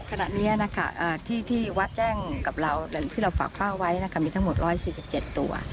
ขณะนี้ที่วัดแจ้งกับเราที่เราฝากผ้าไว้มีทั้งหมด๑๔๗ตัว